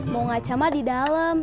mau ngaca mah di dalam